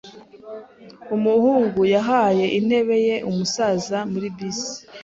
Umuhungu yahaye intebe ye umusaza muri bisi.